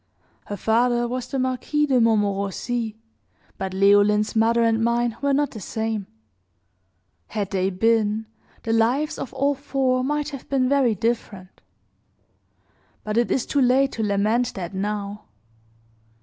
"Her father was the Marquis de Montmorenci, but Leoline's mother and mine were not the same had they been, the lives of all four might have been very different; but it is too late to lament that now.